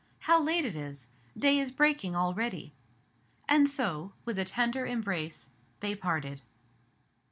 "How late it is! day is breaking already!" And so, with a tender embrace, they parted.